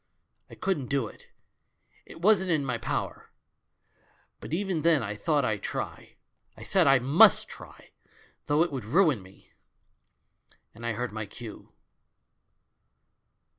I couldn't do it, it wasn't in my power ; but even then I thought I'd try. I said I miist try^ though it would ruin me! And I heard my cue.